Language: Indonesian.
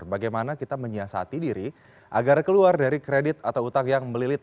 bagaimana kita menyiasati diri agar keluar dari kredit atau utang yang melilit